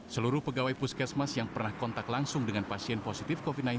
seluruh pegawai puskesmas yang pernah kontak langsung dengan pasien positif covid sembilan belas